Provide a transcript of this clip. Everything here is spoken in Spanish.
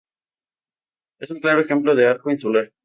Es un claro ejemplo de arco insular.